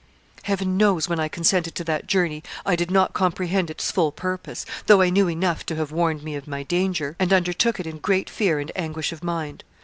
Heaven knows, when I consented to that journey, I did not comprehend its full purpose, though I knew enough to have warned me of my danger, and undertook it in great fear and anguish of mind.